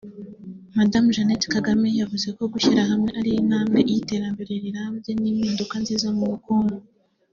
Madamu Jeannette Kagame yavuze ko gushyira hamwe ari intambwe y’iterambere rirambye n’impinduka nziza mu bukungu